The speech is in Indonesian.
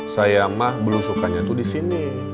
sayamah belusukannya tuh di sini